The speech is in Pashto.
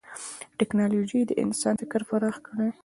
ټکنالوجي د انسان فکر پراخ کړی دی.